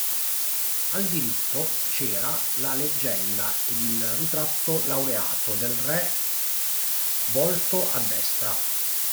Al diritto c'era la legenda ed il ritratto laureato del re volto a destra.